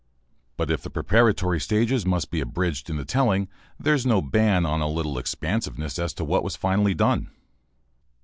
But if the preparatory stages must be abridged in the telling, there is no ban on a little expansiveness as to what was finally done.